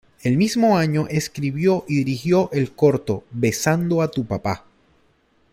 El mismo año escribió y dirigió el corto "Besando a tu papá".